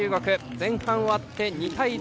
前半終わって２対０。